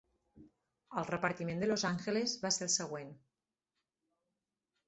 El repartiment de Los Angeles va ser el següent: